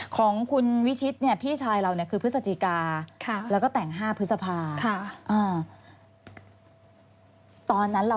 ของคุณวิชิตเนี่ยพี่ชายเราเนี่ยคือพฤศจิกา